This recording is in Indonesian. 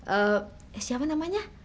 eh siapa namanya